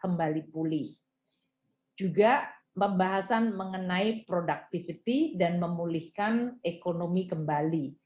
kembali pulih juga pembahasan mengenai productivity dan memulihkan ekonomi kembali